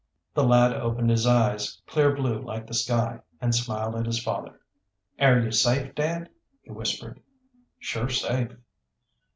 The lad opened his eyes, clear blue like the sky, and smiled at his father. "Air you safe, dad?" he whispered. "Sure safe."